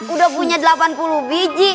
udah punya delapan puluh biji